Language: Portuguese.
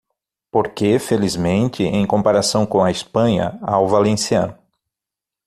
Porque, felizmente, em comparação com a Espanha, há o valenciano.